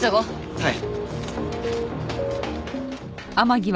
はい。